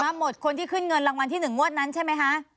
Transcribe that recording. หมดคนที่ขึ้นเงินรางวัลที่๑งวดนั้นใช่ไหมคะ